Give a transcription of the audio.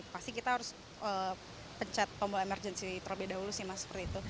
pasti kita harus pencet tombol emergency terlebih dahulu sih mas seperti itu